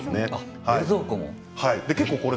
冷蔵庫も？